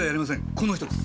この人です！